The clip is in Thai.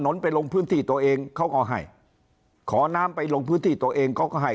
นไปลงพื้นที่ตัวเองเขาก็ให้ขอน้ำไปลงพื้นที่ตัวเองเขาก็ให้